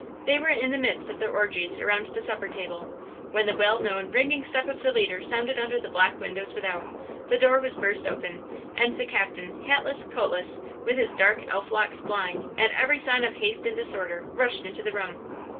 They were in the midst of their orgies around the supper table, when the well known ringing step of the leader sounded under the back windows without, the door was burst open, and the captain, hatless, coatless, with his dark elf locks flying, and every sign of haste and disorder, rushed into the room.